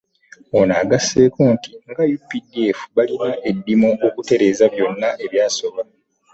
Ono agasseeko nti nga UPDF balina eddimu okutereeza byonna ebyasoba